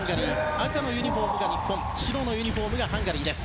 赤のユニホームが日本白のユニホームがハンガリーです。